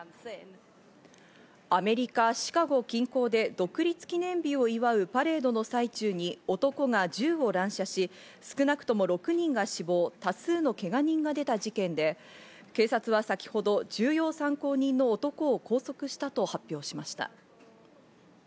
アメリカ、シカゴ近郊で独立記念日を祝うパレードの最中に男が銃を乱射し、少なくとも６人が死亡、多数のけが人が出た事件で、警察は先ほど重要参考人の男を拘束したと発表しました。